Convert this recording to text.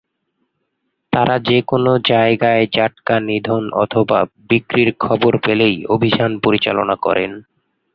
তারা যেকোনো জায়গায় জাটকা নিধন অথবা বিক্রির খবর পেলেই অভিযান পরিচালনা করেন।